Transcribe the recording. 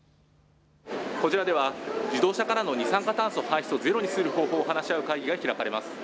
こちらでは自動車からの二酸化炭素排出をゼロにする方法を話し合う会議が開かれます。